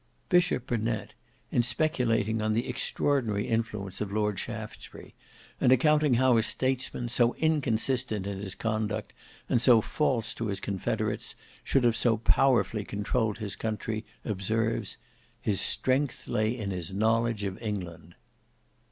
Bishop Burnet, in speculating on the extraordinary influence of Lord Shaftesbury, and accounting how a statesman, so inconsistent in his conduct and so false to his confederates, should have so powerfully controlled his country, observes, "HIS STRENGTH LAY IN HIS KNOWLEDGE OF ENGLAND."